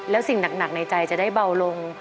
แล้วสิ่งหนักในใจจะได้เบาลง